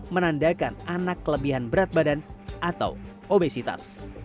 menandakan anak kelebihan berat badan atau obesitas